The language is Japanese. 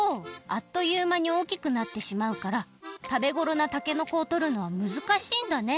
あっというまに大きくなってしまうからたべごろなたけのこをとるのはむずかしいんだね。